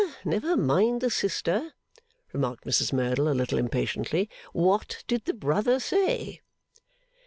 Never mind the sister,' remarked Mrs Merdle, a little impatiently. 'What did the brother say?